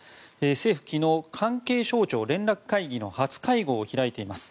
政府、昨日、関係省庁連絡会議の初会合を開いています。